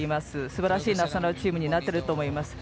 すばらしいナショナルチームになっていると思います。